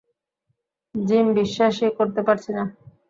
Gym, বিশ্বাসই করতে পারছি না।